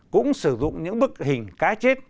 cũng sử dụng những bức hình cá chết